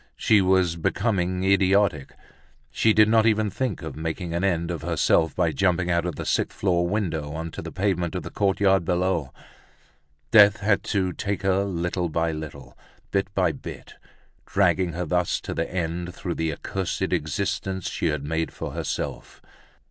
She was becoming idiotic. She did not even think of making an end of herself by jumping out of the sixth floor window on to the pavement of the courtyard below. Death had to take her little by little, bit by bit, dragging her thus to the end through the accursed existence she had made for herself.